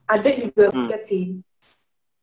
adek juga basket sih